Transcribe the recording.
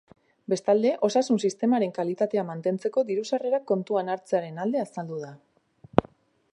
Bestalde, osasun sistemaren kalitatea mantentzeko diru-sarrerak kontuan hartzearen alde azaldu da.